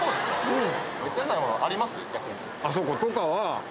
うん。